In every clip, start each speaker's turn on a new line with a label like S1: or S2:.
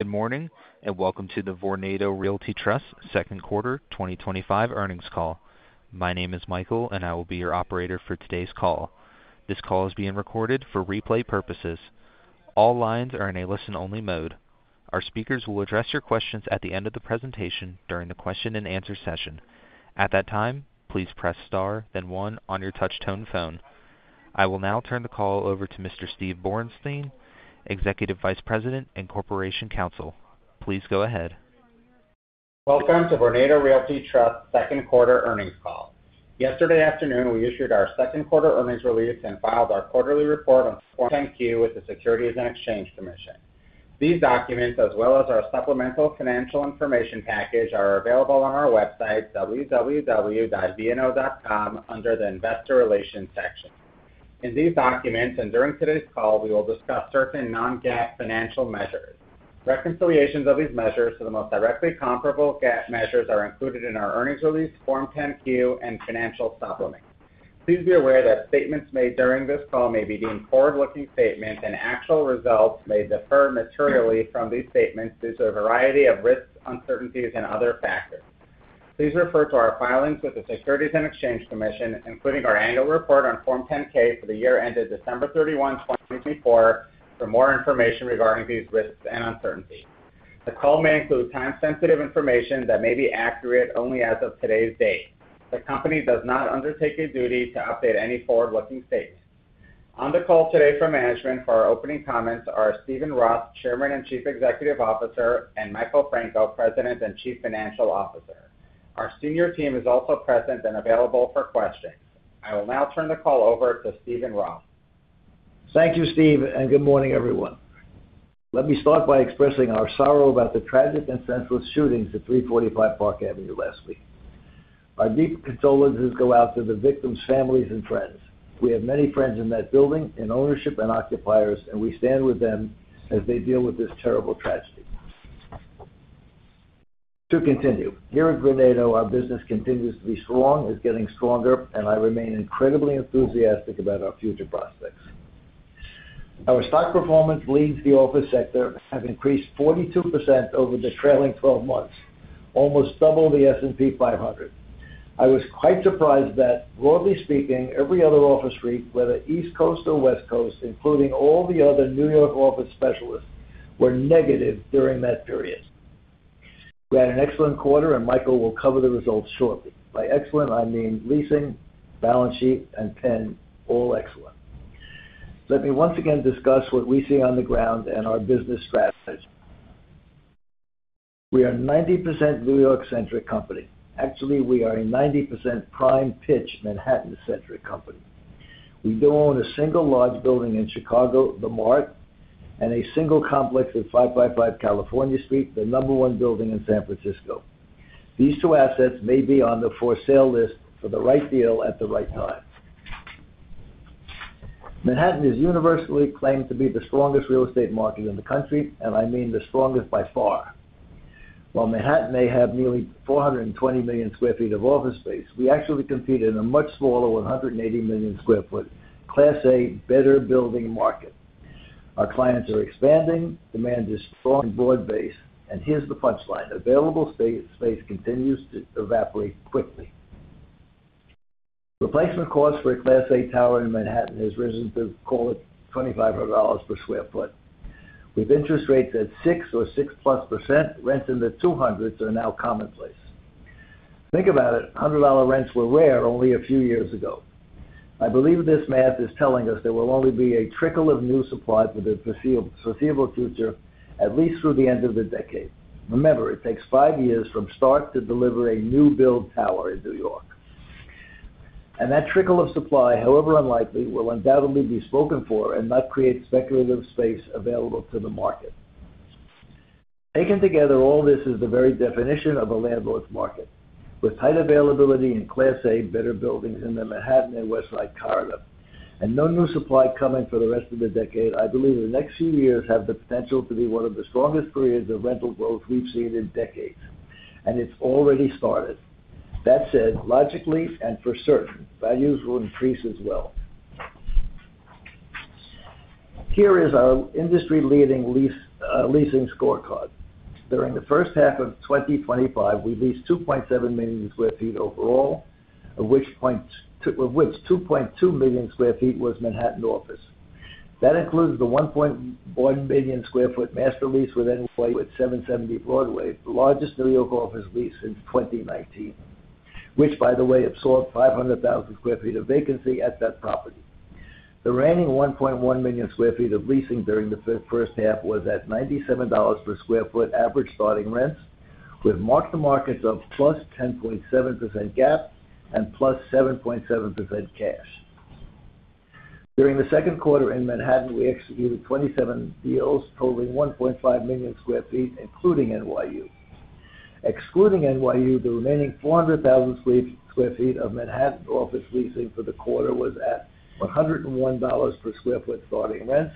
S1: Good morning and welcome to the Vornado Realty Trust Second Quarter 2025 Earnings Call. My name is Michael, and I will be your operator for today's call. This call is being recorded for replay purposes. All lines are in a listen-only mode. Our speakers will address your questions at the end of the presentation during the question and answer session. At that time, please press star, then one on your touch-tone phone. I will now turn the call over to Mr. Steve Borenstein, Executive Vice President and Corporation Counsel. Please go ahead.
S2: Welcome to Vornado Realty Trust Second Quarter Earnings Call. Yesterday afternoon, we issued our second quarter earnings release and filed our quarterly report on the Form 10-Q with the Securities and Exchange Commission. These documents, as well as our supplemental financial information package, are available on our website, www.vno.com, under the Investor Relations section. In these documents, and during today's call, we will discuss certain non-GAAP financial measures. Reconciliations of these measures to the most directly comparable GAAP measures are included in our earnings release, Form 10-Q, and financial supplement. Please be aware that statements made during this call may be deemed forward-looking statements, and actual results may differ materially from these statements due to a variety of risks, uncertainties, and other factors. Please refer to our filings with the Securities and Exchange Commission, including our annual report on Form 10-K for the year ended December 31, 2024, for more information regarding these risks and uncertainties. The call may include time-sensitive information that may be accurate only as of today's date. The company does not undertake a duty to update any forward-looking statements. On the call today for management, for our opening comments, are Steven Roth, Chairman and Chief Executive Officer, and Michael Franco, President and Chief Financial Officer. Our senior team is also present and available for questions. I will now turn the call over to Steven Roth.
S3: Thank you, Steve, and good morning, everyone. Let me start by expressing our sorrow about the tragic and senseless shootings at 345 Park Avenue last week. Our deep condolences go out to the victims' families and friends. We have many friends in that building and ownership and occupiers, and we stand with them as they deal with this terrible tragedy. To continue, here in Vornado, our business continues to be strong, is getting stronger, and I remain incredibly enthusiastic about our future prospects. Our stock performance leaves the office sector, has increased 42% over the trailing 12 months, almost double the S&P 500. I was quite surprised that, broadly speaking, every other office REIT, whether East Coast or West Coast, including all the other New York office specialists, were negative during that period. We had an excellent quarter, and Michael will cover the results shortly. By excellent, I mean leasing, balance sheet, and Penn all excellent. Let me once again discuss what we see on the ground and our business strategy. We are a 90% New York-centric company. Actually, we are a 90% prime-pitch Manhattan-centric company. We own a single large building in Chicago, THE MART, and a single complex at 555 California Street, the number one building in San Francisco. These two assets may be on the for-sale list for the right deal at the right time. Manhattan is universally claimed to be the strongest real estate market in the country, and I mean the strongest by far. While Manhattan may have nearly 420 million sq ft of office space, we actually compete in a much smaller 180 million sq ft Class A better building market. Our clients are expanding, demand is strong and broad-based, and here's the punchline. Available space continues to evaporate quickly. Replacement costs for a Class A tower in Manhattan have risen to, call it, $2,500 per square foot. With interest rates at 6% or 6%+, rents in the $200s are now commonplace. Think about it, $100 rents were rare only a few years ago. I believe this math is telling us there will only be a trickle of new supply for the foreseeable future, at least through the end of the decade. Remember, it takes five years from start to deliver a new build tower in New York. That trickle of supply, however unlikely, will undoubtedly be spoken for and not create speculative space available to the market. Taken together, all this is the very definition of a landlord's market. With tight availability and Class A better buildings in Manhattan and Westside Corridor, and no new supply coming for the rest of the decade, I believe the next few years have the potential to be one of the strongest periods of rental growth we've seen in decades. It's already started. That said, logically, and for certain, values will increase as well. Here is our industry-leading leasing scorecard. During the first half of 2025, we leased 2.7 million sq ft overall, of which 2.2 million sq ft was Manhattan office. That includes the 1.1 million sq ft master lease in flight at 770 Broadway, the largest office lease since 2019, which, by the way, absorbed 500,000 sq ft of vacancy at that property. The remaining 1.1 million sq ft of leasing during the first half was at $97 per sq ft average starting rents, with mark-to-markets of 10.7%+ GAAP and 7.7%+ cash. During the second quarter in Manhattan, we executed 27 deals, totaling 1.5 million sq ft, including NYU. Excluding NYU, the remaining 400,000 sq ft of Manhattan office leasing for the quarter was at $101 per square foot starting rents,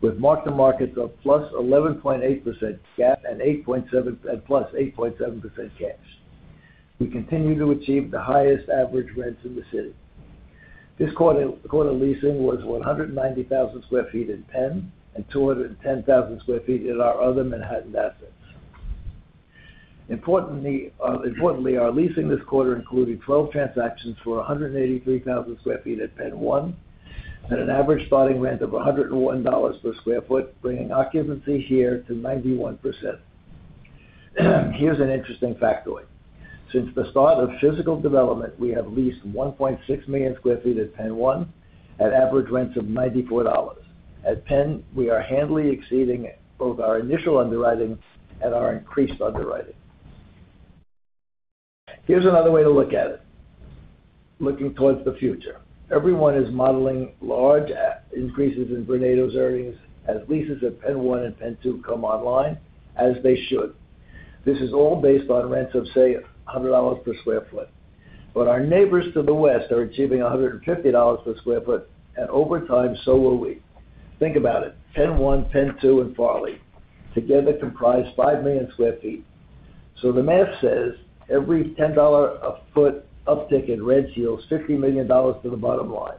S3: with mark-to-markets of 11.8%+ GAAP and 8.7%+ cash. We continue to achieve the highest average rents in the city. This quarter leasing was 190,000 sq ft in Penn and 210,000 sq ft in our other Manhattan assets. Importantly, our leasing this quarter included 12 transactions for 183,000 sq ft at PENN 1, at an average starting rent of $101 per square foot, bringing occupancy here to 91%. Here's an interesting factoid. Since the start of physical development, we have leased 1.6 million sq ft at PENN 1, at average rents of $94. At Penn, we are handily exceeding both our initial underwriting and our increased underwriting. Here's another way to look at it. Looking towards the future, everyone is modeling large increases in Vornado's areas as leases at PENN 1 and PENN 2 come online, as they should. This is all based on rents of, say, $100 per square foot. Our neighbors to the West are achieving $150 per square foot, and over time, so will we. Think about it. PENN 1, PENN 2, and Farley together comprise 5 million sq ft. The math says every $10 a foot uptick in rent yields $50 million to the bottom line.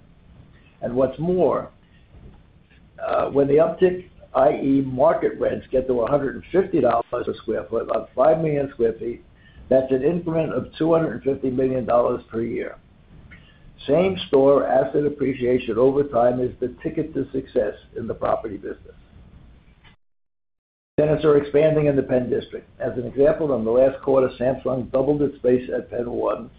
S3: What's more, when the uptick, i.e., market rents get to $150 per square foot of 5 million sq ft, that's an increment of $250 million per year. Same store asset appreciation over time is the ticket to success in the property business. Tenants are expanding in THE PENN DISTRICT. As an example, in the last quarter, Samsung doubled its space at PENN 1,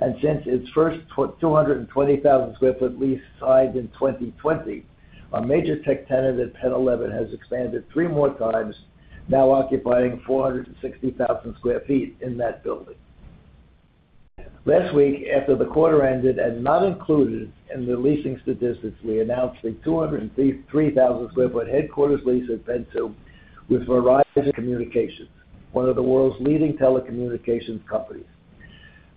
S3: and since its first 220,000 sq ft lease signed in 2020, a major tech tenant at PENN 11 has expanded 3x, now occupying 460,000 sq ft in that building. Last week, after the quarter ended and not included in the leasing statistics, we announced the 203,000 sq ft headquarters lease at PENN 2 with Verizon Communications, one of the world's leading telecommunications companies.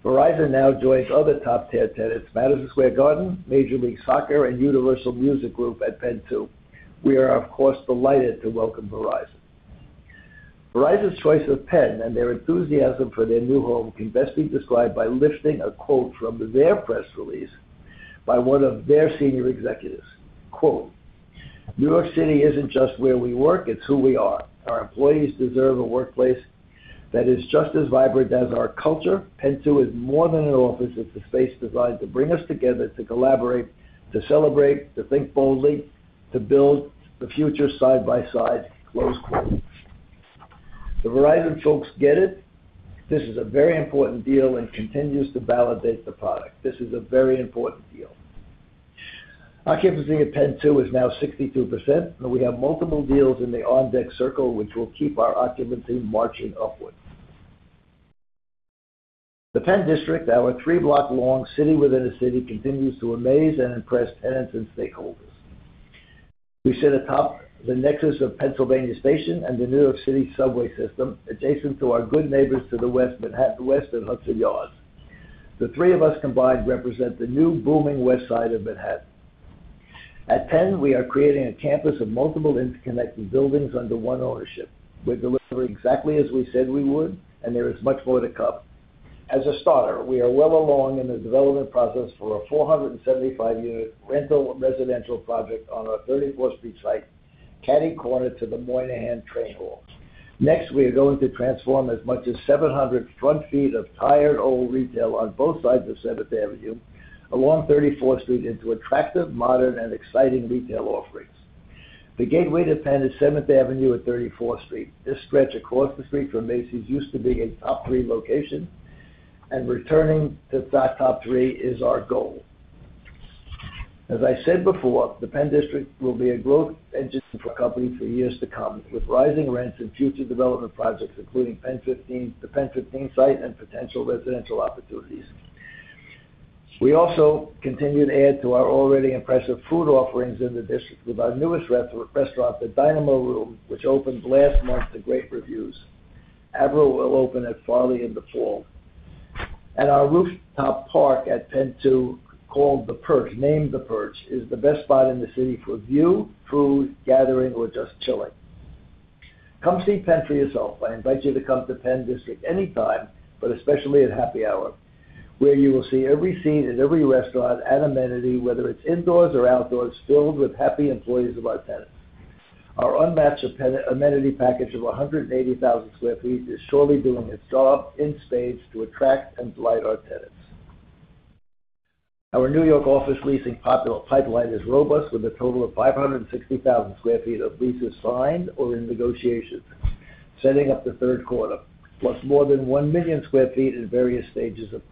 S3: Verizon now joins other top tenants, Madison Square Garden, Major League Soccer, and Universal Music Group at PENN 2. We are, of course, delighted to welcome Verizon. Verizon's choice of Penn and their enthusiasm for their new home can best be described by lifting a quote from their press release by one of their senior executives. Quote, "New York City isn't just where we work, it's who we are. Our employees deserve a workplace that is just as vibrant as our culture. PENN 2 is more than an office. It's a space designed to bring us together, to collaborate, to celebrate, to think boldly, to build the future side by side." The Verizon folks get it. This is a very important deal and continues to validate the product. This is a very important deal. Occupancy at PENN 2 is now 62%, and we have multiple deals in the on-deck circle, which will keep our occupancy marching upward. THE PENN DISTRICT, our three-block-long city within a city, continues to amaze and impress tenants and stakeholders. We sit atop the nexus of Pennsylvania Station and the New York City subway system, adjacent to our good neighbors to the West, Manhattan West and Hudson Yards. The three of us combined represent the new booming West Side of Manhattan. At Penn, we are creating a campus of multiple interconnected buildings under one ownership. We're delivering exactly as we said we would, and there is much more to come. As a starter, we are well along in the development process for a 475-unit rental residential project on our 34th Street site, catty-cornered to the Moynihan Train Hall. Next, we are going to transform as much as 700 front feet of tired old retail on both sides of Seventh Avenue, along 34th Street, into attractive, modern, and exciting retail offerings. The gateway to Penn is Seventh Avenue at 34th Street. This stretch across the street from Macy's used to be a top three location, and returning to top three is our goal. As I said before, THE PENN DISTRICT will be a growth engine for companies for years to come, with rising rents and future development projects, including the PE 15 site and potential residential opportunities. We also continue to add to our already impressive food offerings in the district with our newest restaurant, the Dynamo Room, which opened last month to great reviews. Avril will open at Farley in the fall. Our rooftop park at PENN 2, called The Perch, is the best spot in the city for view, food, gathering, or just chilling. Come see Penn for yourself. I invite you to come to PENN DISTRICT anytime, especially at happy hour, where you will see every seat at every restaurant and amenity, whether it's indoors or outdoors, filled with happy employees of our tenants. Our unmatched amenity package of 180,000 sq ft is surely doing its job in spades to attract and delight our tenants. Our New York office leasing pipeline is robust, with a total of 560,000 sq ft of leases signed or in negotiations, setting up the third quarter, plus more than 1 million sq ft in various stages of proposal.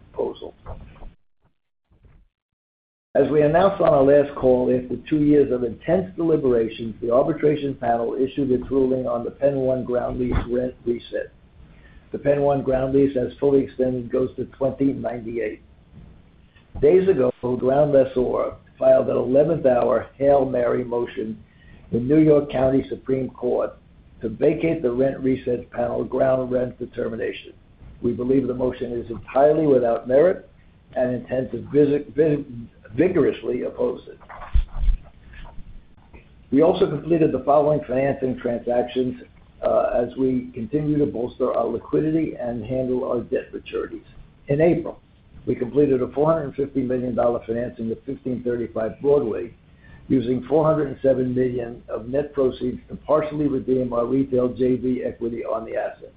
S3: As we announced on our last call, after two years of intense deliberation, the arbitration panel issued its ruling on the PENN 1 ground lease rent reset. The PENN 1 ground lease, as fully extended, goes to 2098. Days ago, a ground lessor filed an 11th-hour Hail Mary motion in New York County Supreme Court to vacate the rent reset panel ground rent determination. We believe the motion is entirely without merit and intend to vigorously oppose it. We also completed the following financing transactions as we continue to bolster our liquidity and handle our debt maturities. In April, we completed a $450 million financing to 1535 Broadway, using $407 million of net proceeds to partially redeem our retail JV equity on the asset.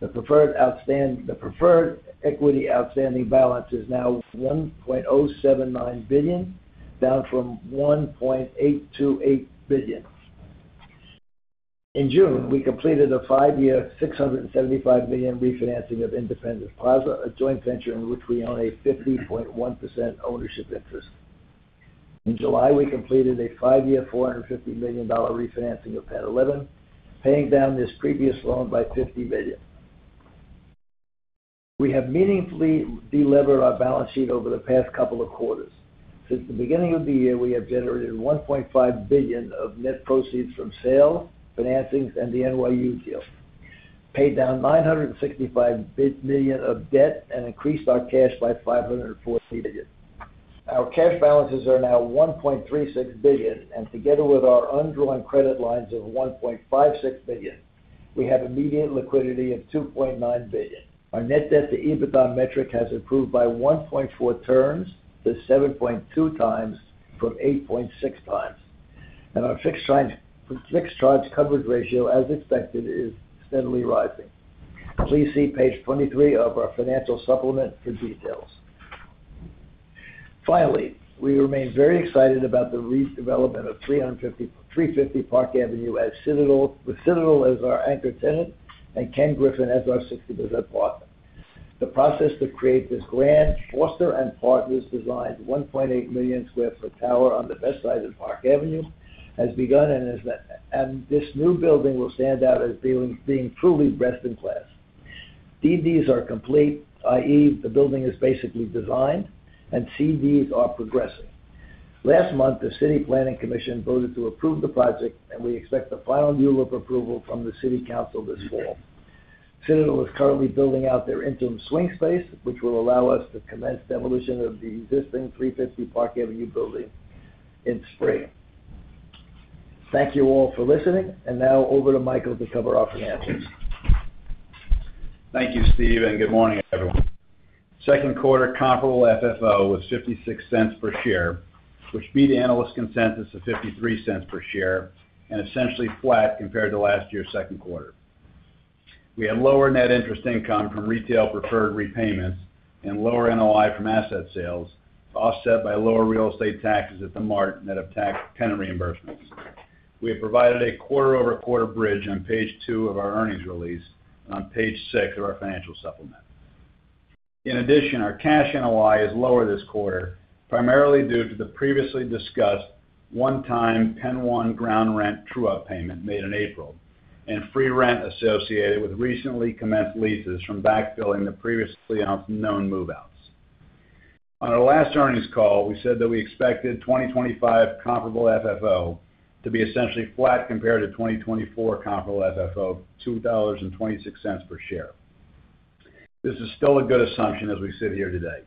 S3: The preferred equity outstanding balance is now $1.079 billion, down from $1.828 billion. In June, we completed a five-year $675 million refinancing of Independence Plaza, a joint venture in which we own a 50.1% ownership interest. In July, we completed a five-year $450 million refinancing of PENN 11, paying down this previous loan by $50 million. We have meaningfully delevered our balance sheet over the past couple of quarters. Since the beginning of the year, we have generated $1.5 billion of net proceeds from sale, financings, and the NYU deal, paid down $965 million of debt, and increased our cash by $504 million. Our cash balances are now $1.36 billion, and together with our undrawn credit lines of $1.56 billion, we have immediate liquidity of $2.9 billion. Our net debt to EBITDA metric has improved by 1.4 turns, that's 7.2x from 8.6x. Our fixed charge coverage ratio, as expected, is steadily rising. Please see page 23 of our financial supplement for details. Finally, we remain very excited about the redevelopment of 350 Park Avenue with Citadel as our anchor tenant and Ken Griffin as our 60% partner. The process to create this grand, Foster + Partners designed 1.8 million sq ft tower on the West Side of Park Avenue has begun, and this new building will stand out as being truly best in class. CDs are complete, i.e., the building is basically designed, and CDs are progressing. Last month, the City Planning Commission voted to approve the project, and we expect the final ULURP approval from the City Council this fall. Citadel is currently building out their interim swing space, which will allow us to commence demolition of the existing 350 Park Avenue building in spring. Thank you all for listening, and now over to Michael to cover our financials.
S4: Thank you, Steve, and good morning, everyone. Second quarter comparable FFO was $0.56 per share, which beat analyst consensus of $0.53 per share and is essentially flat compared to last year's second quarter. We had lower net interest income from retail preferred repayments and lower NOI from asset sales, offset by lower real estate taxes at THE MART, net of tax and reimbursements. We have provided a quarter-over-quarter bridge on page two of our earnings release and on page six of our financial supplement. In addition, our cash NOI is lower this quarter, primarily due to the previously discussed one-time PENN 1 ground rent true-up payment made in April and free rent associated with recently commenced leases from backfilling the previously known move-outs. On our last earnings call, we said that we expected 2025 comparable FFO to be essentially flat compared to 2024 comparable FFO, $2.26 per share. This is still a good assumption as we sit here today.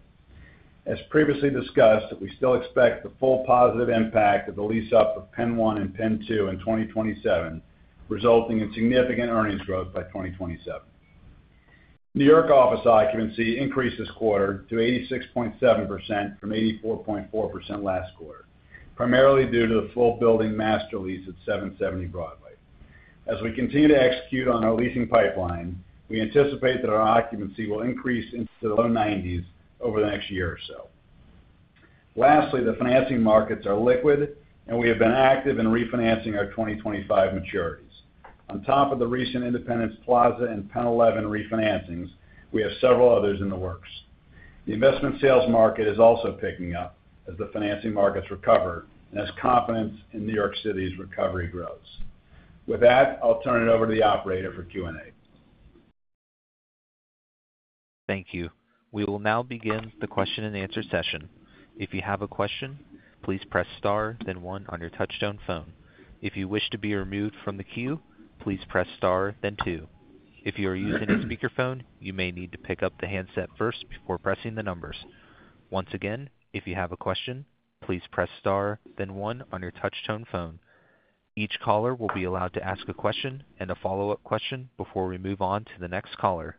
S4: As previously discussed, we still expect the full positive impact of the lease up of PENN 1 and PENN 2 in 2027, resulting in significant earnings growth by 2027. New York office occupancy increased this quarter to 86.7% from 84.4% last quarter, primarily due to the full building master lease at 770 Broadway. As we continue to execute on our leasing pipeline, we anticipate that our occupancy will increase into the low 90% range over the next year or so. Lastly, the financing markets are liquid, and we have been active in refinancing our 2025 maturities. On top of the recent Independence Plaza and PENN 11 refinancings, we have several others in the works. The investment sales market is also picking up as the financing markets recover and as confidence in New York City's recovery grows. With that, I'll turn it over to the operator for Q&A.
S1: Thank you. We will now begin the question and answer session. If you have a question, please press star, then one on your touch-tone phone. If you wish to be removed from the queue, please press star, then two. If you are using a speaker phone, you may need to pick up the handset first before pressing the numbers. Once again, if you have a question, please press star, then one on your touch-tone phone. Each caller will be allowed to ask a question and a follow-up question before we move on to the next caller.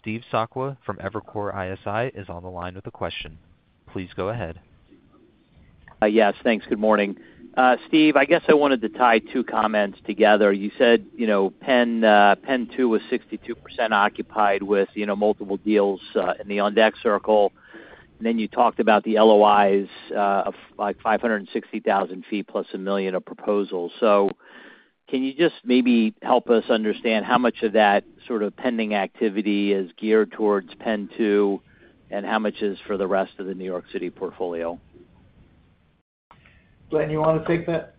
S1: Steve Sakwa from Evercore ISI is on the line with a question. Please go ahead.
S5: Yes, thanks. Good morning. Steve, I guess I wanted to tie two comments together. You said, you know, PENN 2 was 62% occupied with, you know, multiple deals in the on-deck circle. You talked about the LOIs of 560,000 ft plus $1 million of proposals. Can you just maybe help us understand how much of that sort of pending activity is geared towards PENN 2 and how much is for the rest of the New York City portfolio?
S3: Glen, you want to take that?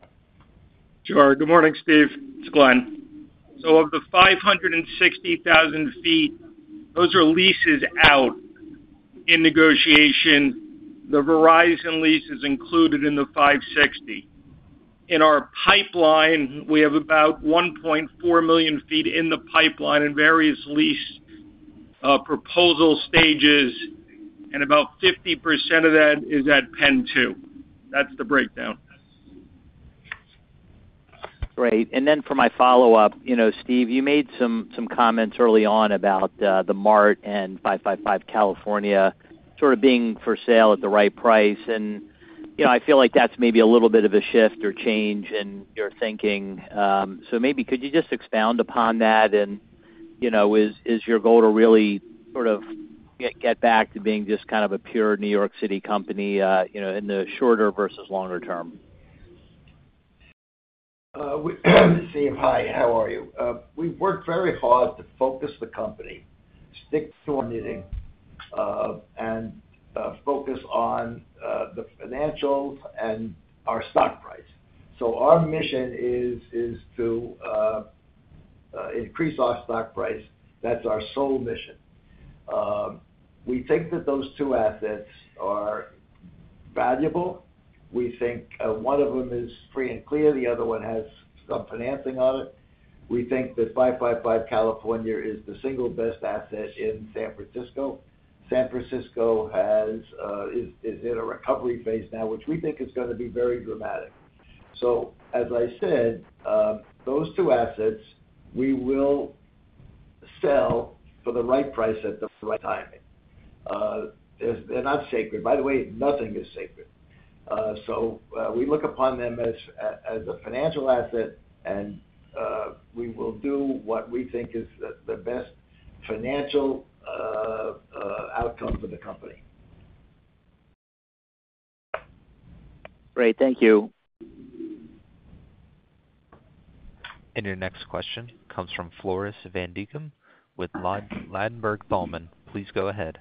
S6: Sure. Good morning, Steve. It's Glen. Of the 560,000 ft, those are leases out in negotiation. The Verizon lease is included in the 560,000. In our pipeline, we have about 1.4 million ft in the pipeline in various lease proposal stages, and about 50% of that is at PENN 2. That's the breakdown.
S5: Great. For my follow-up, Steve, you made some comments early on about THE MART and 555 California sort of being for sale at the right price. I feel like that's maybe a little bit of a shift or change in your thinking. Could you just expound upon that? Is your goal to really sort of get back to being just kind of a pure New York City company in the shorter versus longer term?
S3: Steve, hi. How are you? We've worked very hard to focus the company, stick to our meeting, and focus on the financials and our stock price. Our mission is to increase our stock price. That's our sole mission. We think that those two assets are valuable. We think one of them is free and clear. The other one has some financing on it. We think that 555 California is the single best asset in San Francisco. San Francisco is in a recovery phase now, which we think is going to be very dramatic. As I said, those two assets we will sell for the right price at the right time. They're not sacred. By the way, nothing is sacred. We look upon them as a financial asset, and we will do what we think is the best financial outcome for the company.
S5: Great. Thank you.
S1: Your next question comes from Floris van Dijkum with Ladenburg Thalmann. Please go ahead.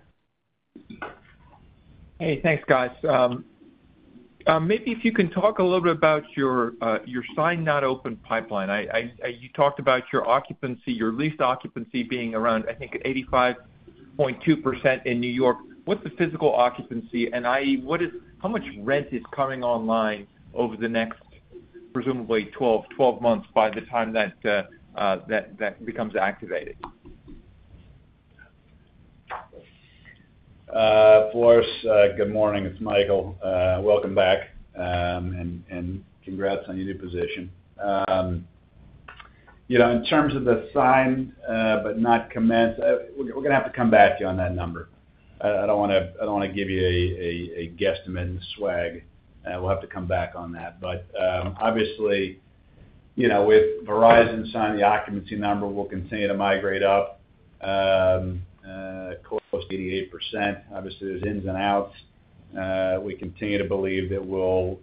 S7: Hey, thanks, guys. Maybe if you can talk a little bit about your signed not open pipeline. You talked about your occupancy, your leased occupancy being around, I think, 85.2% in New York. What's the physical occupancy? I.e., how much rent is coming online over the next, presumably, 12 months by the time that becomes activated?
S4: Floris, good morning. It's Michael. Welcome back, and congrats on your new position. In terms of the signed but not commenced, we're going to have to come back to you on that number. I don't want to give you a guesstimate and swag. We'll have to come back on that. Obviously, with Verizon signed, the occupancy number will continue to migrate up close to 88%. There are ins and outs. We continue to believe that we'll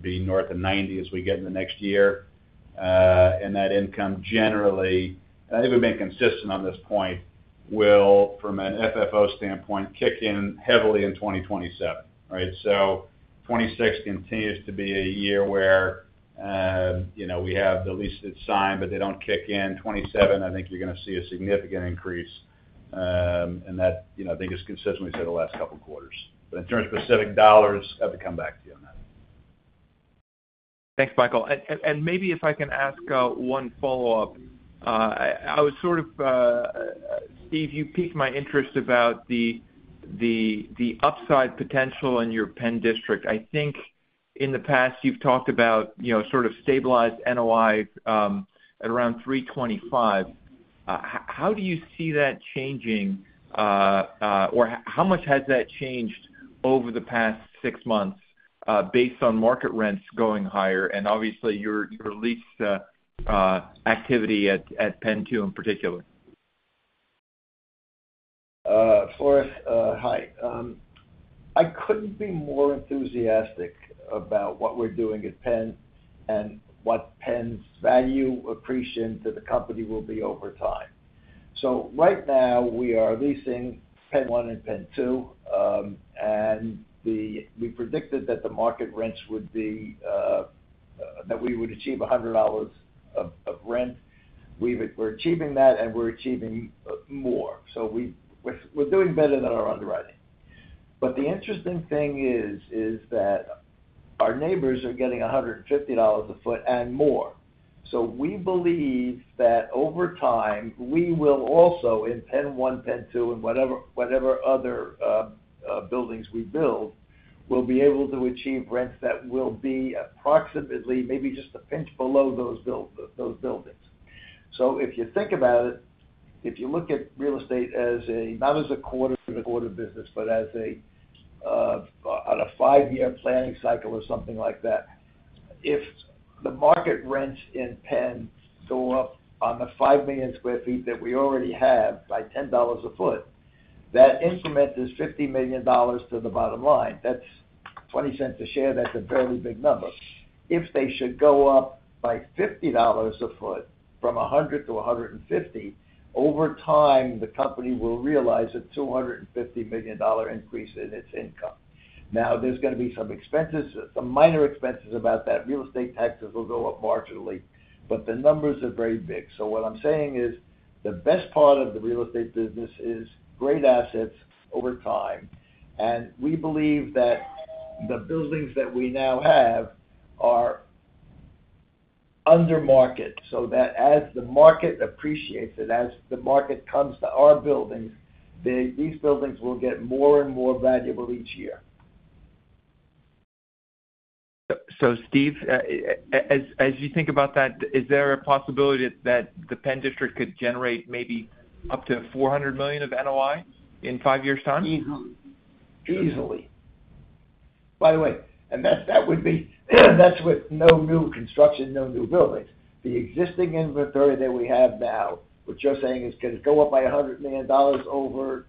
S4: be north of 90% as we get into next year. That income generally, and I think we've been consistent on this point, will, from an FFO standpoint, kick in heavily in 2027. 2026 continues to be a year where we have the lease that's signed, but they don't kick in. In 2027, I think you're going to see a significant increase. That, I think, is consistent with what we said the last couple of quarters. In terms of specific dollars, I have to come back to you on that.
S7: Thanks, Michael. Maybe if I can ask one follow-up. Steve, you piqued my interest about the upside potential in your PENN DISTRICT. I think in the past, you've talked about stabilized NOI at around $325 million. How do you see that changing, or how much has that changed over the past six months based on market rents going higher and obviously your lease activity at PENN 2 in particular?
S3: Floris, hi. I couldn't be more enthusiastic about what we're doing at Penn and what Penn's value appreciation to the company will be over time. Right now, we are leasing PENN 1 and PENN 2. We predicted that the market rents would be that we would achieve $100 of rent. We're achieving that, and we're achieving more. We're doing better than our underwriting. The interesting thing is that our neighbors are getting $150 a foot and more. We believe that over time, we will also in PENN 1, PENN 2, and whatever other buildings we build, be able to achieve rents that will be approximately maybe just a pinch below those buildings. If you think about it, if you look at real estate not as a quarter-for-quarter business, but on a five-year planning cycle or something like that, if the market rents in Penn go up on the 5 million sq ft that we already have by $10 a foot, that increment is $50 million to the bottom line. That's $0.20 a share. That's a fairly big number. If they should go up by $50 a foot from $100 to $150, over time, the company will realize a $250 million increase in its income. There are going to be some expenses, some minor expenses about that. Real estate taxes will go up marginally, but the numbers are very big. What I'm saying is the best part of the real estate business is great assets over time. We believe that the buildings that we now have are undermarket so that as the market appreciates and as the market comes to our buildings, these buildings will get more and more valuable each year.
S7: Steve, as you think about that, is there a possibility that THE PENN DISTRICT could generate maybe up to $400 million of NOI in five years' time?
S3: Easily. Easily. By the way, that would be with no new construction, no new building. The existing inventory that we have now, what you're saying is going to go up by $100 million over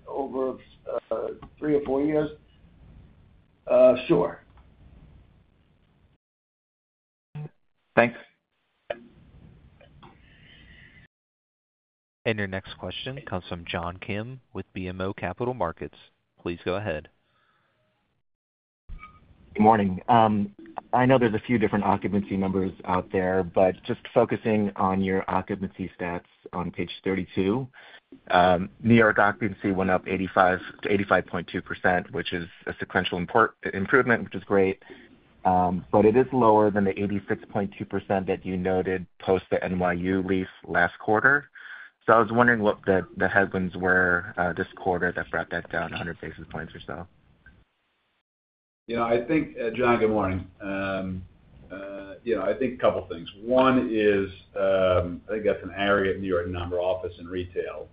S3: three or four years? Sure.
S7: Thanks.
S1: Your next question comes from John Kim with BMO Capital Markets. Please go ahead.
S8: Good morning. I know there's a few different occupancy numbers out there, but just focusing on your occupancy stats on page 32, New York occupancy went up 85% to 85.2%, which is a sequential improvement, which is great. It is lower than the 86.2% that you noted post the NYU lease last quarter. I was wondering what the headwinds were this quarter that brought that down 100 basis points or so.
S4: Yeah, I think, John, good morning. I think a couple of things. One is I think that's an area of New York non-rural office and retail.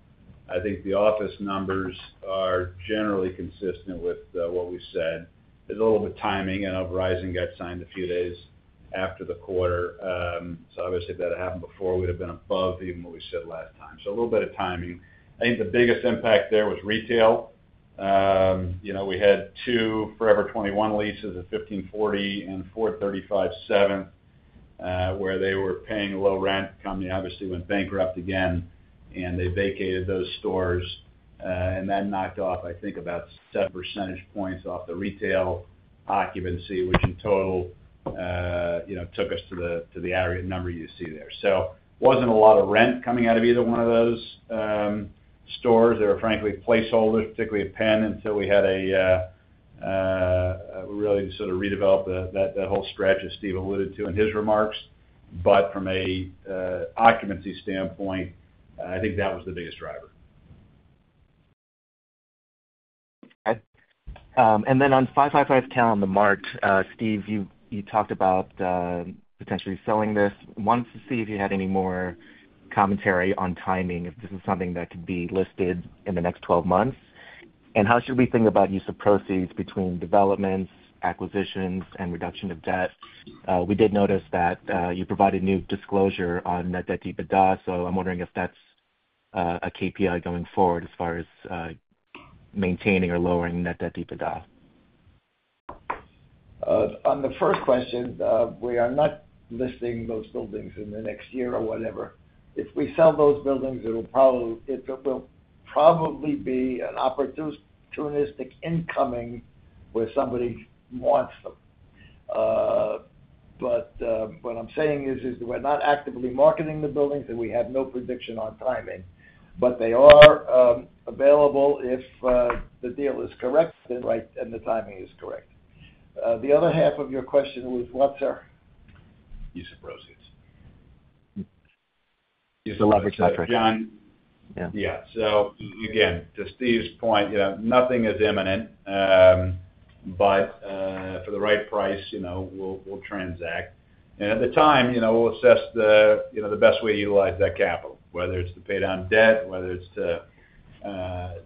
S4: I think the office numbers are generally consistent with what we said. It's a little bit of timing, and Verizon got signed a few days after the quarter. Obviously, if that had happened before, we'd have been above even what we said last time. A little bit of timing. I think the biggest impact there was retail. We had two Forever 21 leases at 1540 and 4357 where they were paying low rent. The company obviously went bankrupt again, and they vacated those stores. That knocked off, I think, about 7 percentage points off the retail occupancy, which in total took us to the area number you see there. It wasn't a lot of rent coming out of either one of those stores. They were frankly placeholders, particularly at Penn, until we really sort of redeveloped that whole stretch as Steve alluded to in his remarks. From an occupancy standpoint, I think that was the biggest driver.
S8: On 555 California Street and THE MART, Steve, you talked about potentially selling this. I wanted to see if you had any more commentary on timing, if this is something that could be listed in the next 12 months. How should we think about use of proceeds between developments, acquisitions, and reduction of debt? We did notice that you provided new disclosure on net debt to EBITDA. I'm wondering if that's a KPI going forward as far as maintaining or lowering net debt to EBITDA.
S3: On the first question, we are not listing those buildings in the next year or whatever. If we sell those buildings, it will probably be an opportunistic incoming where somebody wants them. What I'm saying is that we're not actively marketing the buildings, and we have no prediction on timing. They are available if the deal is correct and the timing is correct. The other half of your question was what, sir?
S8: Use of proceeds. Use the leverage of the price.
S4: Thanks, John. Yeah. To Steve's point, nothing is imminent. For the right price, we'll transact. At the time, we'll assess the best way to utilize that capital, whether it's to pay down debt, whether it's to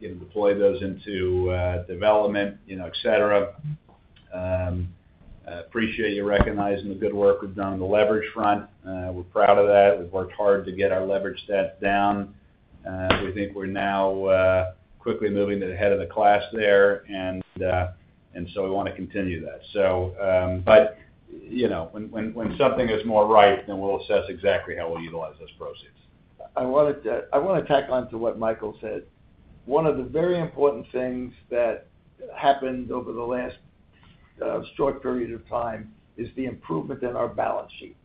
S4: deploy those into development, etc. I appreciate you recognizing the good work we've done on the leverage front. We're proud of that. We've worked hard to get our leverage debt down. We think we're now quickly moving to the head of the class there, and we want to continue that. When something is more ripe, then we'll assess exactly how we'll utilize those proceeds.
S3: I want to tack on to what Michael said. One of the very important things that happened over the last short period of time is the improvement in our balance sheet.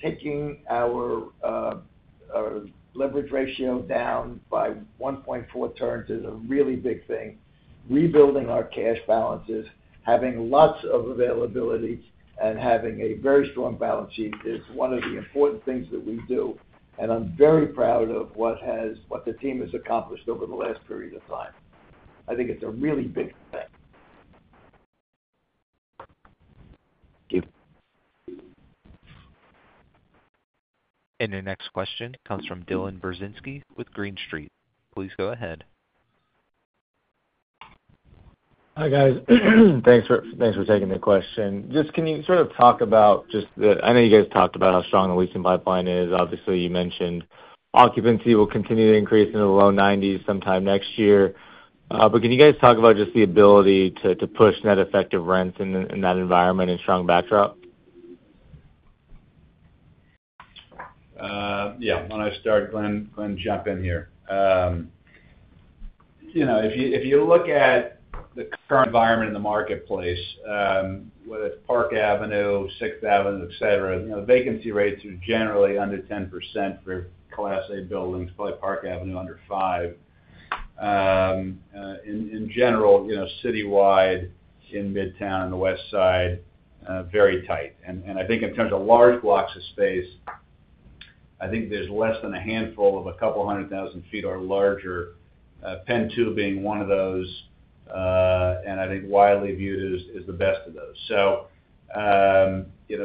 S3: Taking our leverage ratio down by 1.4 turns is a really big thing. Rebuilding our cash balances, having lots of availability, and having a very strong balance sheet is one of the important things that we do. I'm very proud of what the team has accomplished over the last period of time. I think it's a really big step.
S8: Thank you.
S1: Your next question comes from Dylan Burzinski with Green Street. Please go ahead.
S9: Hi, guys. Thanks for taking the question. Can you sort of talk about just the, I know you guys talked about how strong the leasing pipeline is. Obviously, you mentioned occupancy will continue to increase into the low 90% sometime next year. Can you guys talk about just the ability to push net effective rent in that environment and strong backdrop?
S4: Yeah. Why don't I start? Glen, jump in here. If you look at the current environment in the marketplace, whether it's Park Avenue, Sixth Avenue, etc., the vacancy rates are generally under 10% for Class A buildings, probably Park Avenue under 5%. In general, citywide, in Midtown, the West Side, very tight. I think in terms of large blocks of space, there's less than a handful of a couple hundred thousand feet or larger, PENN 2 being one of those, and I think widely viewed as the best of those.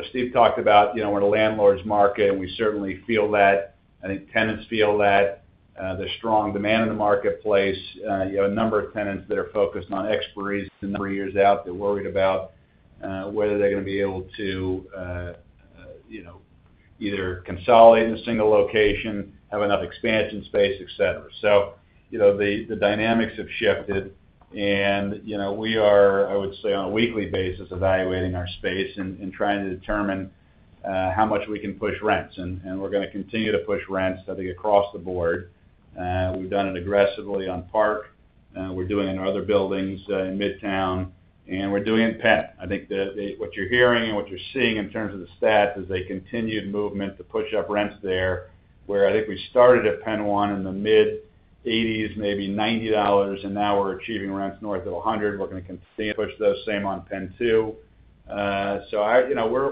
S4: Steve talked about we're a landlord's market, and we certainly feel that. I think tenants feel that. There's strong demand in the marketplace. A number of tenants are focused on expiry as the number of years out. They're worried about whether they're going to be able to either consolidate in a single location, have enough expansion space, etc. The dynamics have shifted. We are, I would say, on a weekly basis, evaluating our space and trying to determine how much we can push rents. We're going to continue to push rents, I think, across the board. We've done it aggressively on Park. We're doing it in other buildings in Midtown. We're doing it in Penn. What you're hearing and what you're seeing in terms of the stats is a continued movement to push up rents there, where I think we started at PENN 1 in the mid-80s, maybe $90, and now we're achieving rents north of $100. We're going to continue to push those same on PENN 2.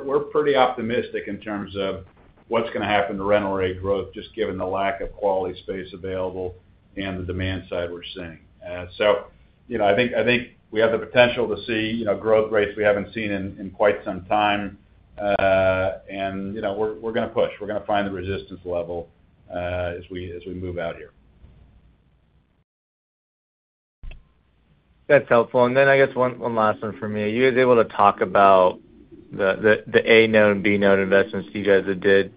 S4: We're pretty optimistic in terms of what's going to happen to rental rate growth, just given the lack of quality space available and the demand side we're seeing. I think we have the potential to see growth rates we haven't seen in quite some time. We're going to push. We're going to find the resistance level as we move out here.
S9: That's helpful. I guess one last one from me. Are you guys able to talk about the A-node and B-node investments that you guys did?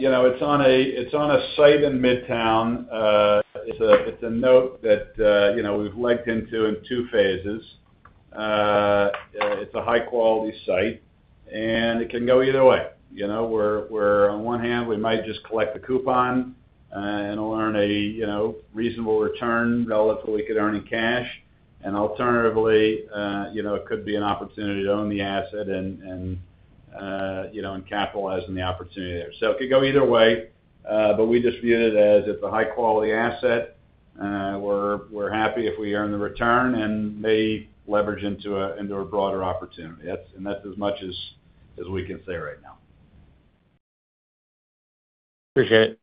S4: You know, it's on a site in Midtown. It's a node that we've liked in two phases. It's a high-quality site, and it can go either way. On one hand, we might just collect the coupon and earn a reasonable return, relative to what we could earn in cash. Alternatively, it could be an opportunity to own the asset and capitalize on the opportunity there. It could go either way. We just viewed it as a high-quality asset. We're happy if we earn the return and may leverage into a broader opportunity. That's as much as we can say right now.
S9: Appreciate it.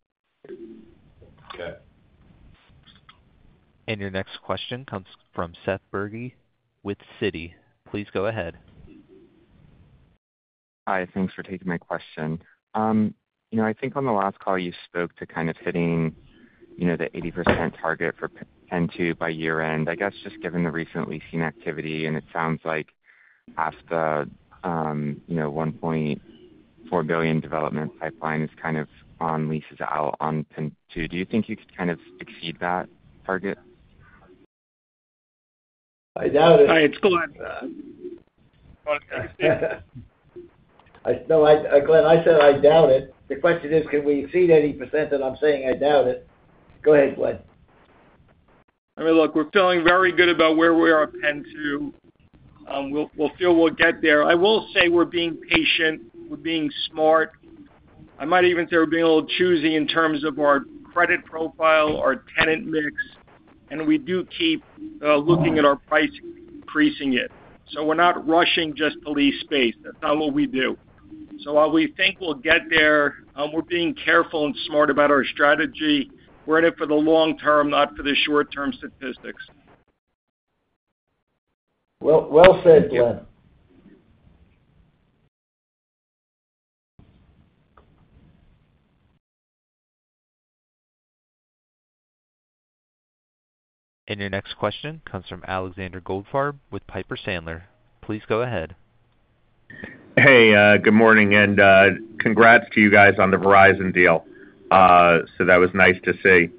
S1: Your next question comes from Seth Bergey with Citi. Please go ahead.
S10: Hi. Thanks for taking my question. I think on the last call, you spoke to kind of hitting the 80% target for PENN 2 by year-end. I guess just given the recent leasing activity, and it sounds like half the $1.4 billion development pipeline is kind of on leases out on PENN 2. Do you think you could kind of exceed that target?
S3: I doubt it.
S6: All right. It's Glen.
S3: No, Glen, I said I doubt it. The question is, can we exceed 80%? I'm saying I doubt it. Go ahead, Glen.
S6: I mean, look, we're feeling very good about where we are at PENN 2. We feel we'll get there. I will say we're being patient. We're being smart. I might even say we're being a little choosy in terms of our credit profile, our tenant mix. We do keep looking at our price and increasing it. We're not rushing just to lease space. That's not what we do. While we think we'll get there, we're being careful and smart about our strategy. We're in it for the long-term, not for the short-term statistics.
S3: Well said, Glen.
S1: Your next question comes from Alexander Goldfarb with Piper Sandler. Please go ahead.
S11: Hey, good morning. Congrats to you guys on the Verizon deal. That was nice to see.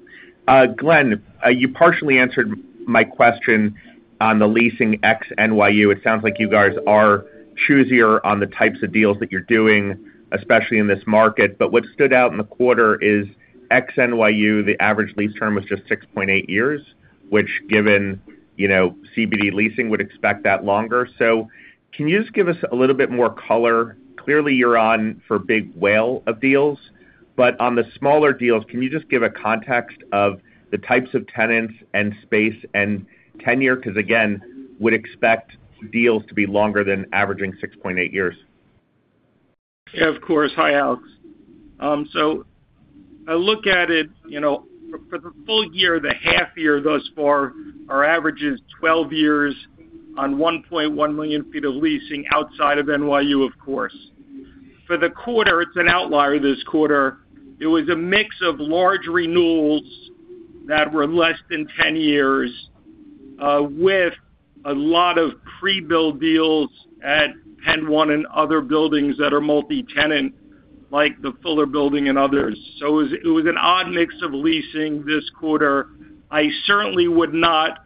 S11: Glen, you partially answered my question on the leasing ex-NYU. It sounds like you guys are choosier on the types of deals that you're doing, especially in this market. What stood out in the quarter is ex-NYU, the average lease term was just 6.8 years, which given, you know, CBD leasing would expect that longer. Can you just give us a little bit more color? Clearly, you're on for big whale of deals. On the smaller deals, can you just give a context of the types of tenants and space and tenure? Because again, would expect deals to be longer than averaging 6.8 years.
S6: Yeah, of course. Hi, Alex. I look at it, you know, for the full year, the half year thus far, our average is 12 years on 1.1 million ft of leasing outside of NYU, of course. For the quarter, it's an outlier this quarter. It was a mix of large renewals that were less than 10 years with a lot of pre-build deals at PENN 1 and other buildings that are multi-tenant, like the Fuller Building and others. It was an odd mix of leasing this quarter. I certainly would not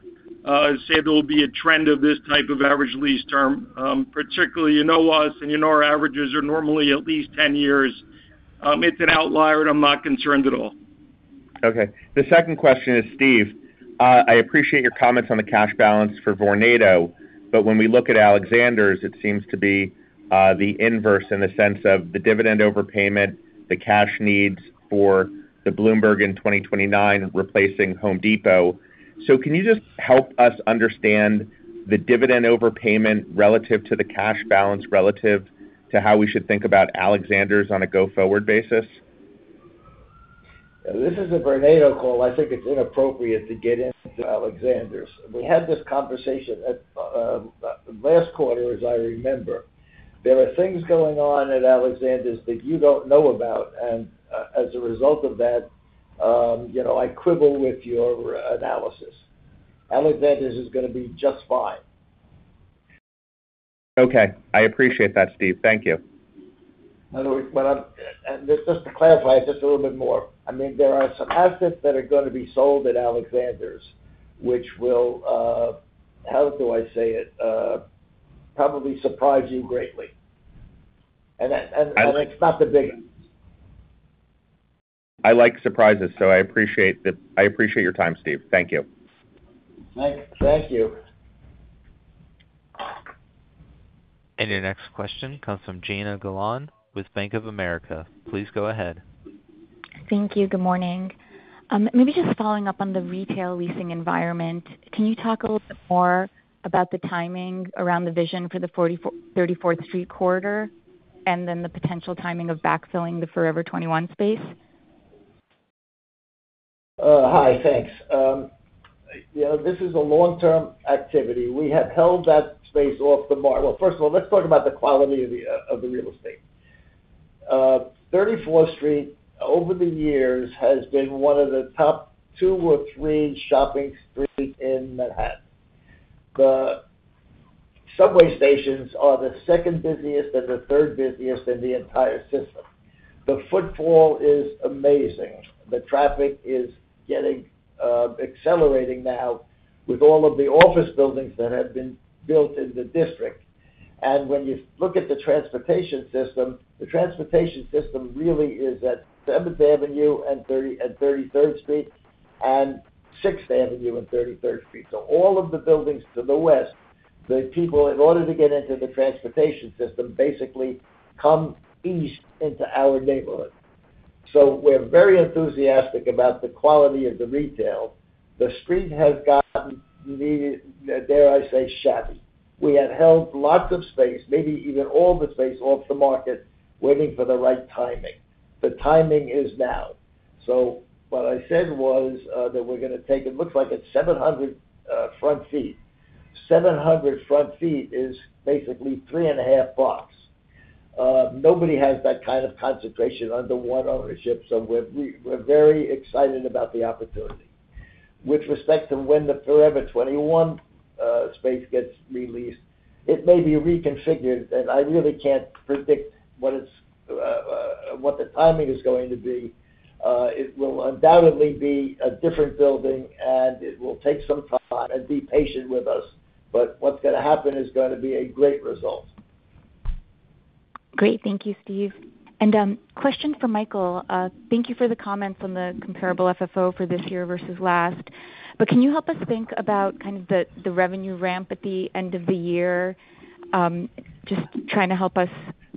S6: say there will be a trend of this type of average lease term, particularly you know us and you know our averages are normally at least 10 years. It's an outlier, and I'm not concerned at all.
S11: Okay. The second question is, Steve, I appreciate your comments on the cash balance for Vornado, but when we look at Alexander's, it seems to be the inverse in the sense of the dividend overpayment, the cash needs for the Bloomberg in 2029 replacing Home Depot. Can you just help us understand the dividend overpayment relative to the cash balance relative to how we should think about Alexander's on a go-forward basis?
S3: This is a Vornado call. I think it's inappropriate to get into Alexander's. We had this conversation last quarter, as I remember. There are things going on at Alexander's that you don't know about. As a result of that, I quibble with your analysis. Alexander's is going to be just fine.
S11: Okay. I appreciate that, Steve. Thank you.
S3: Just to clarify it a little bit more, there are some assets that are going to be sold at Alexander's, which will, how do I say it, probably surprise you greatly. It's not the big.
S11: I like surprises, so I appreciate your time, Steve. Thank you.
S3: Thank you.
S1: Your next question comes from Jana Galan with Bank of America. Please go ahead.
S12: Thank you. Good morning. Maybe just following up on the retail leasing environment, can you talk a little bit more about the timing around the vision for the 34th Street corridor, and then the potential timing of backfilling the Forever 21 space?
S3: Hi, thanks. You know, this is a long-term activity. We have held that space off the market. First of all, let's talk about the quality of the real estate. 34th Street over the years has been one of the top two or three shopping streets in Manhattan. The subway stations are the second busiest and the third busiest in the entire system. The footfall is amazing. The traffic is getting accelerating now with all of the office buildings that have been built in the district. When you look at the transportation system, the transportation system really is at Seventh Avenue and 33rd Street and Sixth Avenue and 33rd Street. All of the buildings to the West, the people, in order to get into the transportation system, basically come East into our neighborhood. We are very enthusiastic about the quality of the retail. The street has gotten, dare I say, shabby. We have held lots of space, maybe even all the space off the market, waiting for the right timing. The timing is now. What I said was that we're going to take, it looks like it's 700 front feet. 700 front feet is basically 3.5 blocks. Nobody has that kind of concentration under one ownership. We are very excited about the opportunity. With respect to when the Forever 21 space gets released, it may be reconfigured, and I really can't predict what the timing is going to be. It will undoubtedly be a different building, and it will take some time and be patient with us. What's going to happen is going to be a great result.
S12: Great. Thank you, Steve. Question for Michael. Thank you for the comments on the comparable FFO for this year versus last. Can you help us think about kind of the revenue ramp at the end of the year? Just trying to help us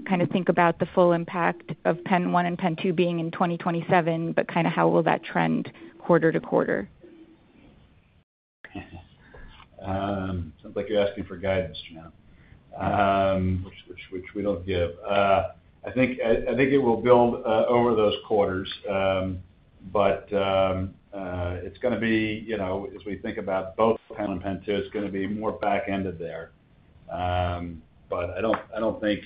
S12: kind of think about the full impact of PENN 1 and PENN 2 being in 2027, but kind of how will that trend quarter to quarter?
S4: Sounds like you're asking for guidance from that, which we don't give. I think it will build over those quarters. It's going to be, you know, as we think about both PENN 1 and PENN 2, it's going to be more back-ended there. I don't think,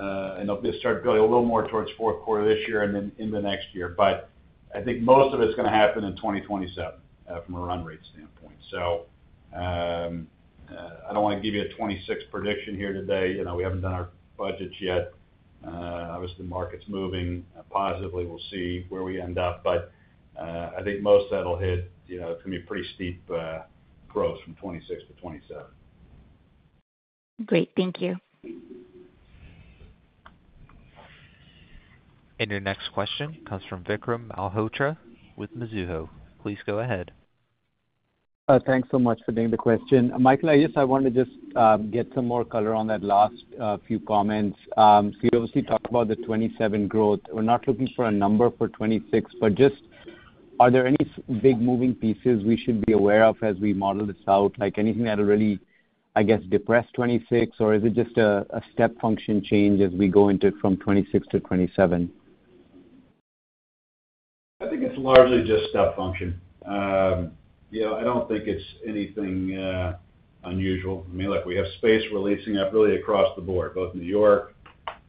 S4: I'll just start going a little more towards fourth quarter this year and then into next year. I think most of it's going to happen in 2027 from a run rate standpoint. I don't want to give you a 2026 prediction here today. We haven't done our budgets yet. Obviously, the market's moving positively. We'll see where we end up. I think most of that will hit, you know, it's going to be a pretty steep growth from 2026 to 2027.
S12: Great. Thank you.
S1: Your next question comes from Vikram Malhotra with Mizuho. Please go ahead.
S13: Thanks so much for doing the question. Michael, I guess I wanted to just get some more color on that last few comments. You obviously talked about the 2027 growth. We're not looking for a number for 2026, but just are there any big moving pieces we should be aware of as we model this out? Like anything that'll really, I guess, depress 2026, or is it just a step-function change as we go into it from 2026 to 2027?
S4: I think it's largely just step-function. I don't think it's anything unusual for me. We have space releasing up really across the board, both in New York,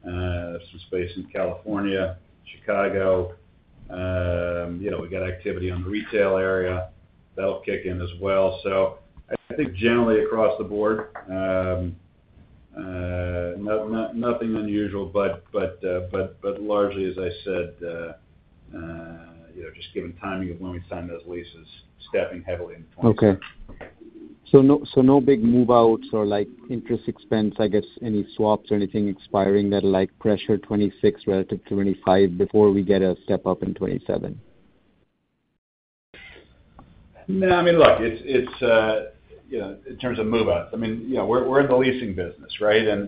S4: some space in California, Chicago. We got activity on the retail area that'll kick in as well. I think generally across the board, nothing unusual, but largely, as I said, just given timing of when we signed those leases, stepping heavily into 2027.
S13: Okay. No big move-outs or like interest expense, I guess, any swaps or anything expiring that pressure 2026 relative to 2025 before we get a step-function increase in 2027?
S4: No, I mean, look, it's, you know, in terms of move-out, I mean, we're in the leasing business, right? There's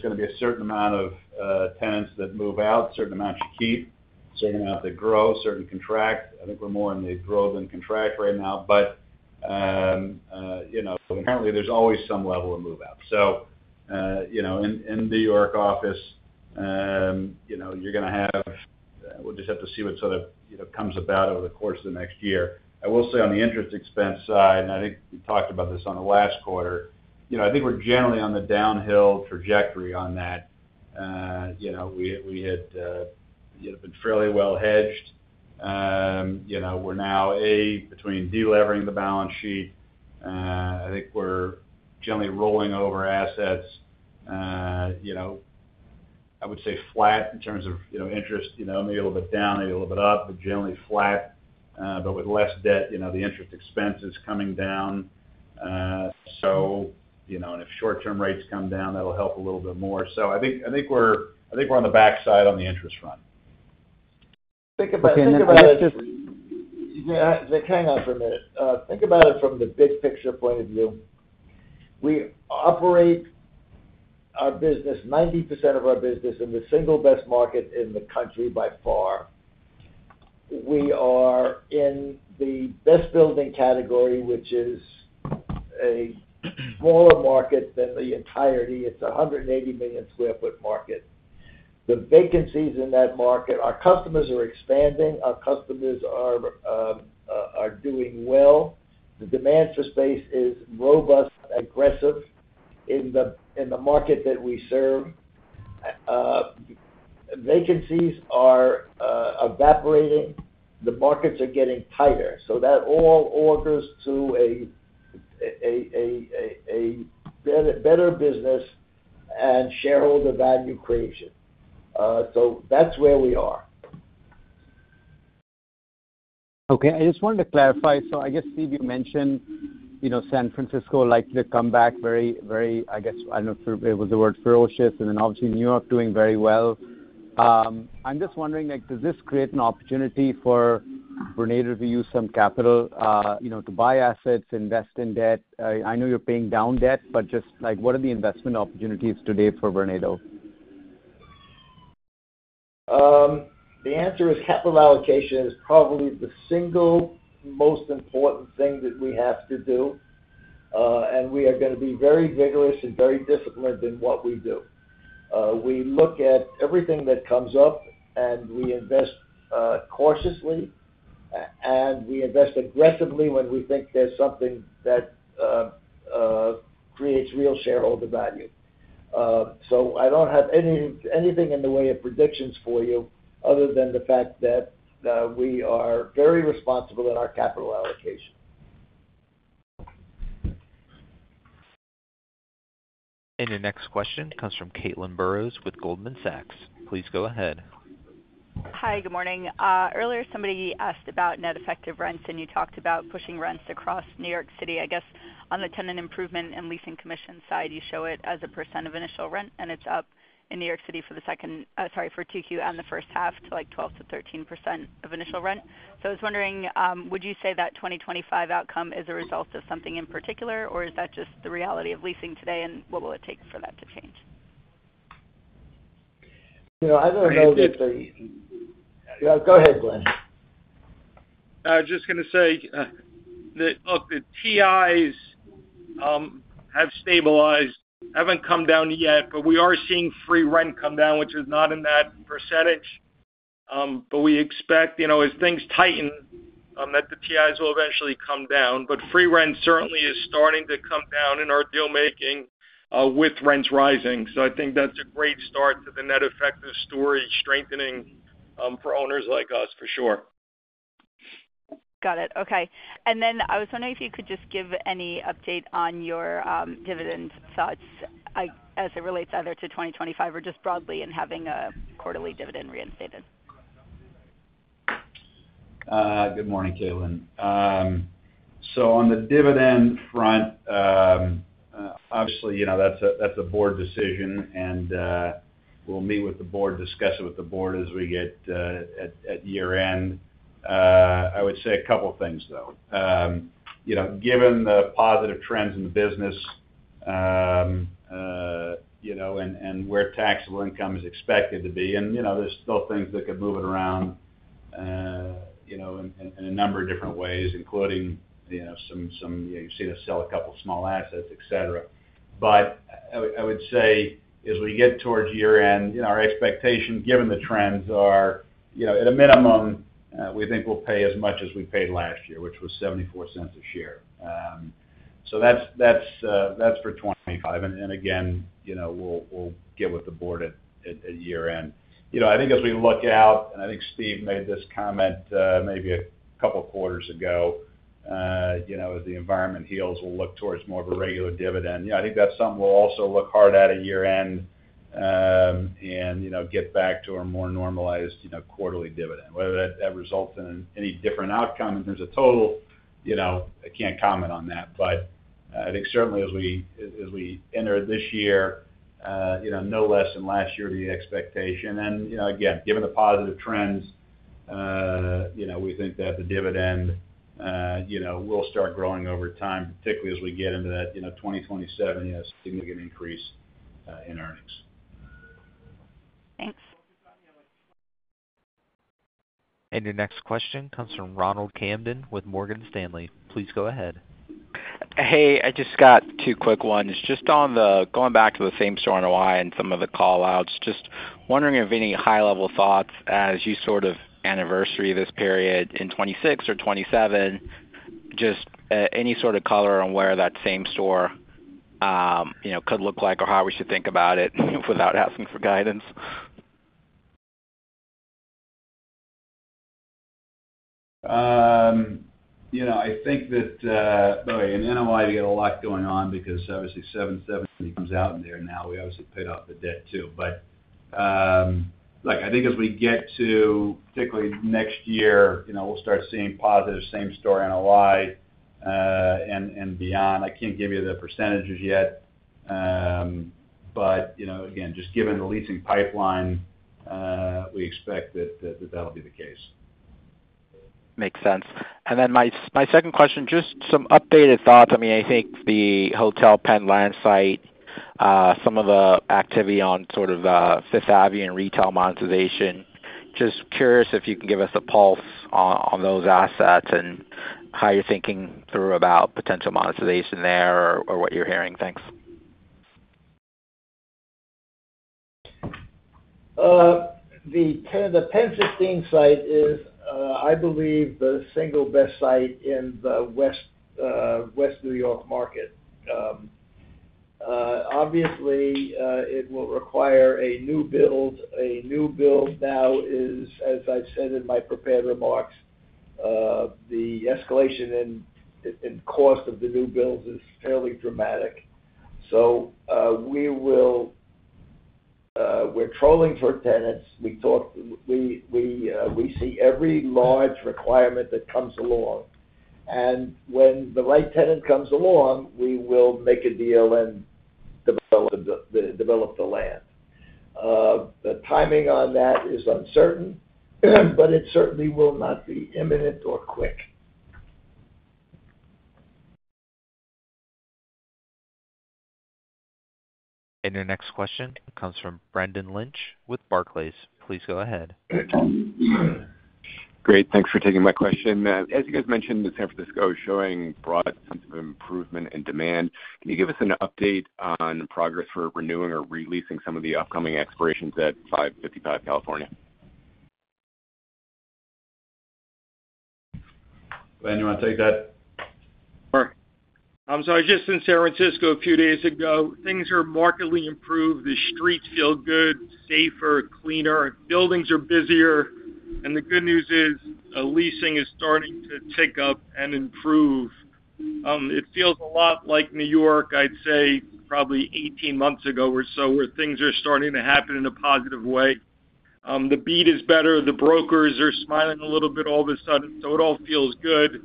S4: going to be a certain amount of tenants that move out, a certain amount you keep, a certain amount that grow, a certain contract. I think we're more in the grow than contract right now. Inherently, there's always some level of move-out. In New York office, you're going to have, we'll just have to see what sort of comes about over the course of the next year. I will say on the interest expense side, and I think we talked about this on the last quarter, I think we're generally on the downhill trajectory on that. We hit a bit fairly well hedged. We're now, A, between delevering the balance sheet. I think we're generally rolling over assets. I would say flat in terms of interest, maybe a little bit down, maybe a little bit up, but generally flat, but with less debt, the interest expense is coming down. If short-term rates come down, that'll help a little bit more. I think we're on the backside on the interest front.
S3: Hang on for a minute. Think about it from the big picture point of view. We operate our business, 90% of our business, in the single best market in the country by far. We are in the best building category, which is a smaller market than the entirety. It's a 180 million sq ft market. The vacancies in that market, our customers are expanding. Our customers are doing well. The demand for space is robust, aggressive in the market that we serve. Vacancies are evaporating. The markets are getting tighter. That all augurs through a better business and shareholder value creation. That's where we are.
S13: Okay. I just wanted to clarify. I guess, Steve, you mentioned, you know, San Francisco liked to come back very, very, I guess, I don't know if it was the word ferocious, and then obviously New York doing very well. I'm just wondering, does this create an opportunity for Vornado to use some capital, you know, to buy assets, invest in debt? I know you're paying down debt, but just, what are the investment opportunities today for Vornado?
S3: The answer is capital allocation is probably the single most important thing that we have to do. We are going to be very vigorous and very disciplined in what we do. We look at everything that comes up, and we invest cautiously, and we invest aggressively when we think there's something that creates real shareholder value. I don't have anything in the way of predictions for you other than the fact that we are very responsible in our capital allocation.
S1: Your next question comes from Caitlin Burrows with Goldman Sachs. Please go ahead.
S14: Hi, good morning. Earlier, somebody asked about net effective rents, and you talked about pushing rents across New York City. I guess on the tenant improvement and leasing commission side, you show it as a percent of initial rent, and it's up in New York City for the second, sorry for 2Q and the first half to like 12%-13% of initial rent. I was wondering, would you say that 2025 outcome is a result of something in particular, or is that just the reality of leasing today, and what will it take for that to change?
S3: I don't know that the, yeah, go ahead, Glen.
S6: I was just going to say that, look, the TIs have stabilized, haven't come down yet, but we are seeing free rent come down, which is not in that percentage. We expect, as things tighten, that the TIs will eventually come down. Free rent certainly is starting to come down in our deal-making with rents rising. I think that's a great start to the net effective story strengthening for owners like us, for sure.
S14: Got it. Okay. I was wondering if you could just give any update on your dividend thoughts as it relates either to 2025 or just broadly in having a quarterly dividend reinstated.
S4: Good morning, Caitlin. On the dividend front, obviously, that's a Board decision, and we'll meet with the Board, discuss it with the Board as we get at year-end. I would say a couple of things, though. Given the positive trends in the business, and where taxable income is expected to be, there's still things that could move it around in a number of different ways, including, you've seen us sell a couple of small assets, etc. As we get towards year-end, our expectation, given the trends, is, at a minimum, we think we'll pay as much as we paid last year, which was $0.74 a share. That's for 2025. Again, we'll get with the Board at year-end. I think as we look out, and I think Steve made this comment maybe a couple of quarters ago, as the environment heals, we'll look towards more of a regular dividend. I think that some will also look hard at year-end and get back to our more normalized quarterly dividend. Whether that results in any different outcome, and there's a total, I can't comment on that. I think certainly as we enter this year, no less than last year to the expectation. Again, given the positive trends, we think that the dividend will start growing over time, particularly as we get into that 2027 significant increase in earnings.
S14: Thanks.
S1: Your next question comes from Ronald Kamdem with Morgan Stanley. Please go ahead.
S15: Hey, I just got two quick ones. Just on the going back to the same store NOI and some of the callouts, just wondering if any high-level thoughts as you sort of anniversary this period in 2026 or 2027, just any sort of color on where that same store, you know, could look like or how we should think about it without asking for guidance.
S4: I think that, in NOI, you got a lot going on because obviously 717 comes out in there now. We obviously paid off the debt too. Look, I think as we get to particularly next year, we'll start seeing positive same store NOI and beyond. I can't give you the percentage yet. Again, just given the leasing pipeline, we expect that that'll be the case.
S15: Makes sense. My second question, just some updated thoughts. I think the Hotel Penn land site, some of the activity on sort of Fifth Avenue and retail monetization. Just curious if you can give us a pulse on those assets and how you're thinking through about potential monetization there or what you're hearing. Thanks.
S3: The 1016 site is, I believe, the single best site in the West New York market. Obviously, it will require a new build. A new build now is, as I've said in my prepared remarks, the escalation in cost of the new build is fairly dramatic. We are trolling for tenants. We talk, we see every large requirement that comes along. When the right tenant comes along, we will make a deal and develop the land. The timing on that is uncertain, but it certainly will not be imminent or quick.
S1: The next question comes from Brendan Lynch with Barclays. Please go ahead.
S16: Great. Thanks for taking my question. As you guys mentioned, San Francisco is showing a broad sense of improvement in demand. Can you give us an update on progress for renewing or releasing some of the upcoming expirations at 555 California?
S4: Glen, you want to take that?
S6: Sure. I'm sorry. Just in San Francisco a few days ago, things are markedly improved. The streets feel good, safer, cleaner. Buildings are busier. The good news is leasing is starting to take up and improve. It feels a lot like New York, I'd say, probably 18 months ago or so, where things are starting to happen in a positive way. The beat is better. The brokers are smiling a little bit all of a sudden. It all feels good.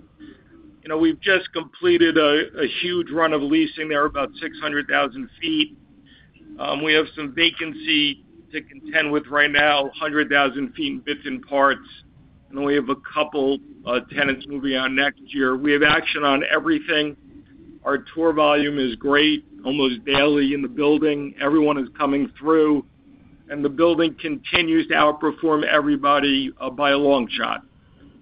S6: We've just completed a huge run of leasing there, about 600,000 ft. We have some vacancy to contend with right now, 100,000 ft in bits and parts. We have a couple tenants moving on next year. We have action on everything. Our tour volume is great, almost daily in the building. Everyone is coming through. The building continues to outperform everybody by a long shot.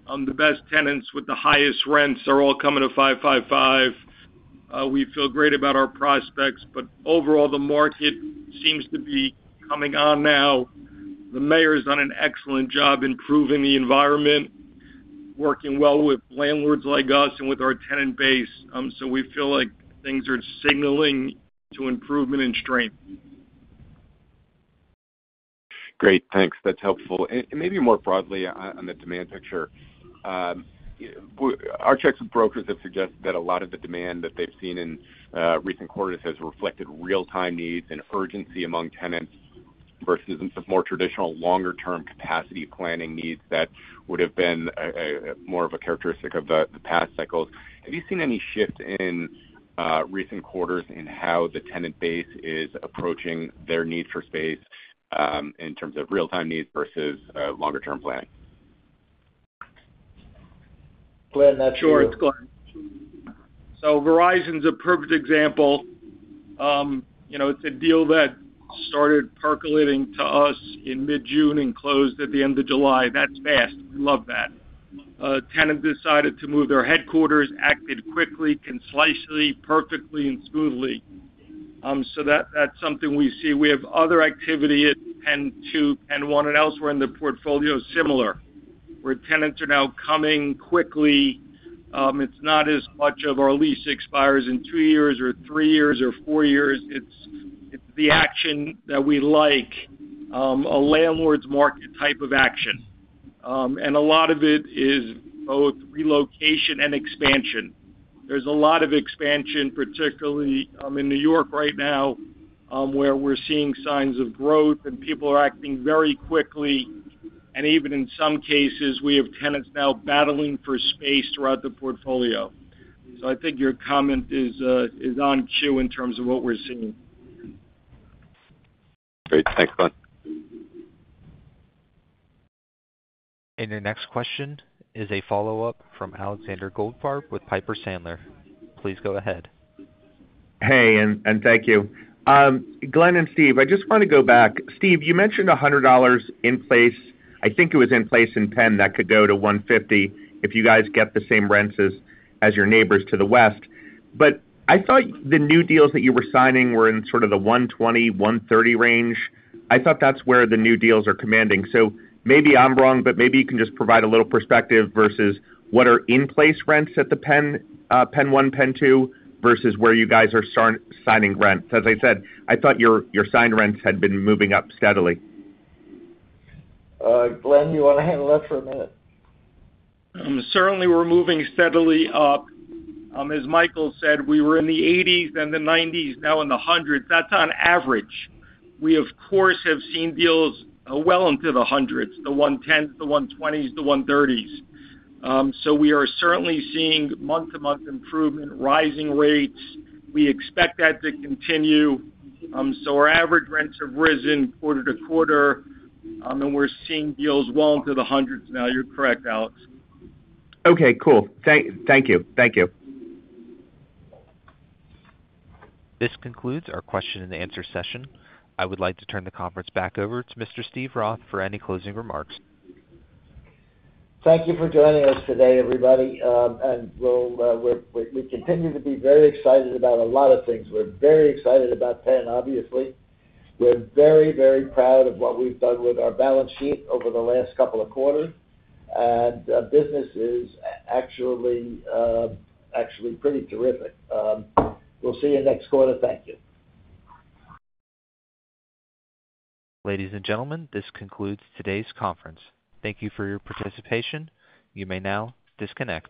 S6: The best tenants with the highest rents are all coming to 555. We feel great about our prospects, but overall, the market seems to be coming on now. The Mayor's done an excellent job improving the environment, working well with landlords like us and with our tenant base. We feel like things are signaling to improvement and strength.
S16: Great. Thanks. That's helpful. Maybe more broadly on the demand picture, our checks with brokers have suggested that a lot of the demand that they've seen in recent quarters has reflected real-time needs and urgency among tenants versus the more traditional longer-term capacity planning needs that would have been more of a characteristic of the past cycles. Have you seen any shift in recent quarters in how the tenant base is approaching their need for space in terms of real-time needs versus longer-term planning?
S3: Glen.
S6: Sure, it's Glen. Verizon's a perfect example. It's a deal that started percolating to us in mid-June and closed at the end of July. That's fast. We love that. Tenant decided to move their headquarters, acted quickly, concisely, perfectly, and smoothly. That's something we see. We have other activity at PENN 2, PENN 1, and elsewhere in the portfolio is similar, where tenants are now coming quickly. It's not as much of our lease expires in two years or three years or four years. It's the action that we like, a landlord's market type of action. A lot of it is both relocation and expansion. There's a lot of expansion, particularly in New York right now, where we're seeing signs of growth and people are acting very quickly. Even in some cases, we have tenants now battling for space throughout the portfolio. I think your comment is on cue in terms of what we're seeing.
S16: Great. Thanks, Glen.
S1: Your next question is a follow-up from Alexander Goldfarb with Piper Sandler. Please go ahead.
S11: Hey, and thank you. Glen and Steve, I just want to go back. Steve, you mentioned $100 in place. I think it was in place in Penn that could go to $150 if you guys get the same rents as your neighbors to the West. I thought the new deals that you were signing were in sort of the $120, $130 range. I thought that's where the new deals are commanding. Maybe I'm wrong, but maybe you can just provide a little perspective versus what are in-place rents at PENN 1, PENN 2 versus where you guys are signing rents. As I said, I thought your signed rents had been moving up steadily.
S3: Glen, you want to handle that for a minute?
S6: Certainly, we're moving steadily up. As Michael said, we were in the 80s and the 90s, now in the 100s. That's on average. We, of course, have seen deals well into the 100s, the 110s, the 120s, the 130s. We are certainly seeing month-to-month improvement, rising rates, and we expect that to continue. Our average rents have risen quarter to quarter, and we're seeing deals well into the 100s now. You're correct, Alex.
S11: Okay, cool. Thank you. Thank you.
S1: This concludes our question and answer session. I would like to turn the conference back over to Mr. Steve Roth for any closing remarks.
S3: Thank you for joining us today, everybody. We continue to be very excited about a lot of things. We're very excited about Penn, obviously. We're very, very proud of what we've done with our balance sheet over the last couple of quarters. The business is actually pretty terrific. We'll see you next quarter. Thank you.
S1: Ladies and gentlemen, this concludes today's conference. Thank you for your participation. You may now disconnect.